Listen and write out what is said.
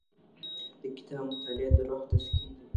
د کتاب مطالعه د روح تسکین دی.